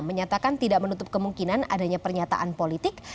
menyatakan tidak menutup kemungkinan adanya pernyataan politik